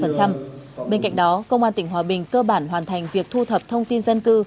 bên cạnh đó công an tỉnh hòa bình cơ bản hoàn thành việc thu thập thông tin dân cư